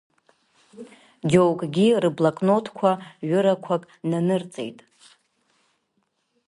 Џьоукгьы рблокнотқәа ҩырақәак нанырҵеит.